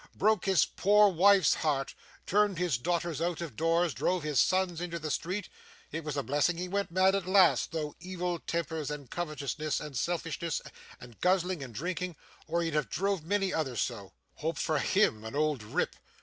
Broke his poor wife's heart, turned his daughters out of doors, drove his sons into the streets; it was a blessing he went mad at last, through evil tempers, and covetousness, and selfishness, and guzzling, and drinking, or he'd have drove many others so. Hope for HIM, an old rip!